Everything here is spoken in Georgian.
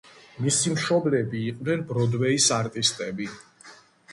მისი მშობლები იყვნენ ბროდვეის არტისტები.